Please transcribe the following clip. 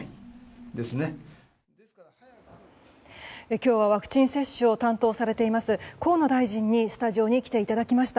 今日はワクチン接種を担当されています河野大臣にスタジオに来ていただきました。